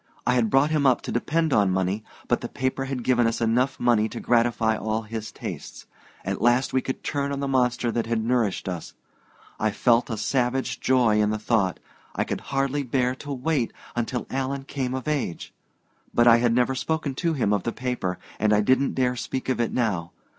I had brought him up to depend on money, but the paper had given us enough money to gratify all his tastes. At last we could turn on the monster that had nourished us. I felt a savage joy in the thought I could hardly bear to wait till Alan came of age. But I had never spoken to him of the paper, and I didn't dare speak of it now.